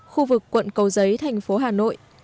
khu vực quận cầu giấy thành phố hà nội